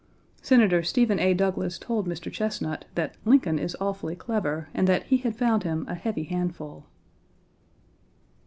Senator Stephen A. Douglas told Mr. Chesnut that "Lincoln is awfully clever, and that he had found him a heavy handful."